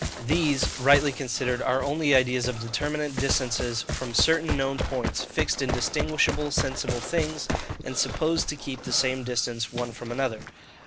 These, rightly considered, are only ideas of determinate distances from certain known points, fixed in distinguishable sensible things, and supposed to keep the same distance one from another.